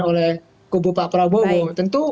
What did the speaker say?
oleh kubu pak prabowo